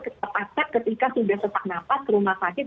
ketika sudah sesak nafas rumah sakit